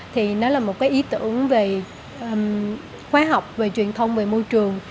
thì nó là một cái ý tưởng về khóa học về truyền thông về môi trường